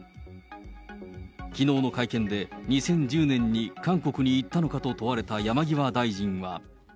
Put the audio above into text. きのうの会見で、２０１０年に韓国に行ったのかと問われた山際大臣は。